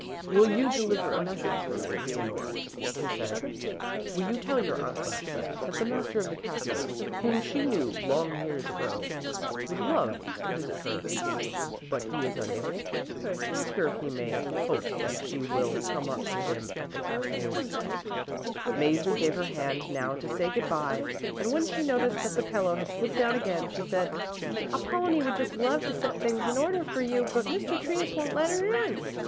"Will you deliver a message for me, Leonore?" he said; "will you tell your Aunt Maxa that the master of the castle, whom she knew long years ago, would love to visit her, but he is unable? Ask her if he may hope that she will come up to him at the castle instead?" Mäzli gave her hand now to say good bye, and when she noticed that the pillow had slipped down again, she said, "Apollonie would just love to set things in order for you, but Mr. Trius won't let her in.